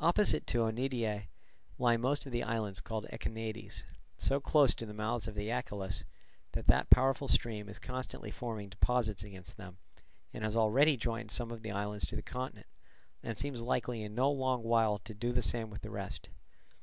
Opposite to Oeniadae lie most of the islands called Echinades, so close to the mouths of the Achelous that that powerful stream is constantly forming deposits against them, and has already joined some of the islands to the continent, and seems likely in no long while to do the same with the rest.